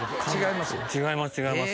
違います？